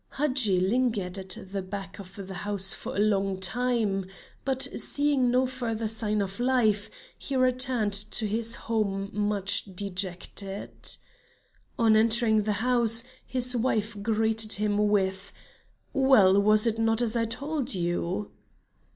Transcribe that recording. Hadji lingered at the back of the house for a long time, but seeing no further sign of life, he returned to his home much dejected. On entering the house, his wife greeted him with: "Well, was it not as I told you?"